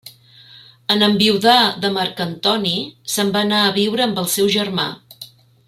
En enviudar de Marc Antoni, se'n va anar a viure amb el seu germà.